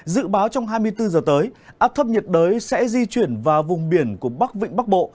dự báo trong hai mươi bốn giờ tới áp thấp nhiệt đới sẽ di chuyển vào vùng biển của bắc vịnh bắc bộ